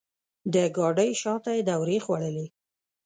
د ګاډۍ شاته یې دورې خوړلې.